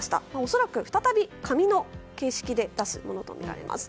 恐らく、再び紙の形式で出すものとみられます。